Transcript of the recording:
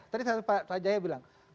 tadi pak jaya bilang